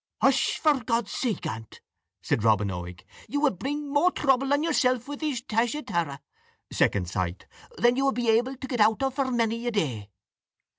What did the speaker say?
"Hush, for God's sake, aunt," said Robin Oig; "you will bring more trouble on yourself with this taishataragh (second sight) than you will be able to get out of for many a day."